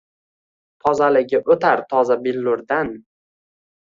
Tozaligi o’tar toza billurdan